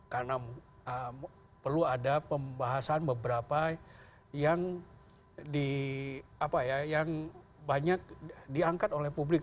karena perlu ada pembahasan beberapa yang diangkat oleh publik